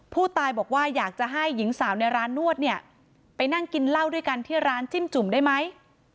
ผู้ตายบอกว่าอยากจะให้หญิงสาวในร้านนวดเนี่ยไปนั่งกินเหล้าด้วยกันที่ร้านจิ้มจุ่มได้ไหม